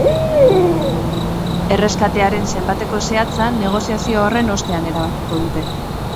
Erreskatearen zenbateko zehatza negoziazio horren ostean erabakiko dute.